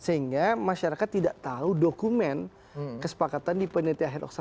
sehingga masyarakat tidak tahu dokumen kesepakatan di panitia hedok satu